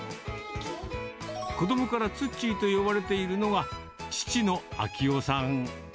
子どもからつっちーと呼ばれているのが、父の章夫さん。